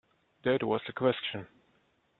That was the question.